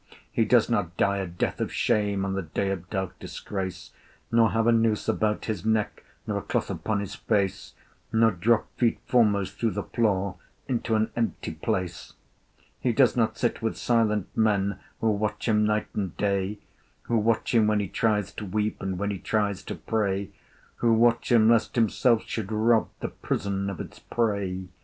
He does not die a death of shame On a day of dark disgrace, Nor have a noose about his neck, Nor a cloth upon his face, Nor drop feet foremost through the floor Into an empty place He does not sit with silent men Who watch him night and day; Who watch him when he tries to weep, And when he tries to pray; Who watch him lest himself should rob The prison of its prey.